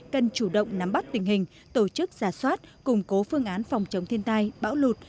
cần chủ động nắm bắt tình hình tổ chức giả soát củng cố phương án phòng chống thiên tai bão lụt